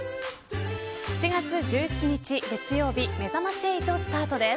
７月１７日月曜日めざまし８スタートです。